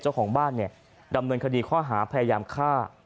เจ้าของบ้านเนี่ยดำเนินคดีข้อหาพยายามฆ่า